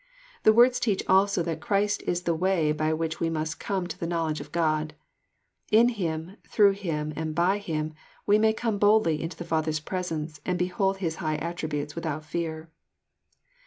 The words teach also that Christ is the way by which we must come , to the knowledge of God. In llim, through Him, and by Him, j we may come boldly into the Father's presence, and behold His high attributes without fear.